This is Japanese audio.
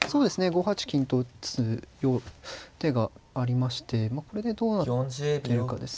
５八金と打つ手がありましてこれでどうなってるかですね。